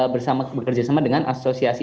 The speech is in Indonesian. bersama bekerjasama dengan asosiasi